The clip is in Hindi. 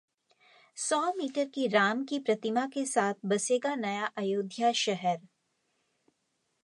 सौ मीटर की राम की प्रतिमा के साथ बसेगा नया अयोध्या शहर